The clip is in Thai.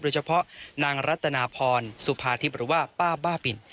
โดยเฉพาะนางรัตนาพรสุภาธิบหรือว่าป้าบ้าปิ่น